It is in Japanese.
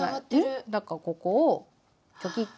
だからここをチョキッ。